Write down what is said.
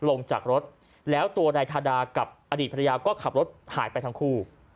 ลงจากรถแล้วตัวนายทาดากับอดีตภรรยาก็ขับรถหายไปทั้งคู่